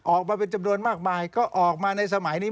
ออกมาเป็นจำนวนมากมายก็ออกมาในสมัยนี้